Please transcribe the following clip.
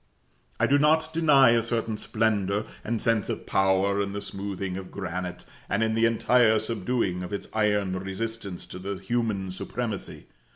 I do not deny a certain splendor and sense of power in the smoothing of granite, and in the entire subduing of its iron resistance to the human supremacy.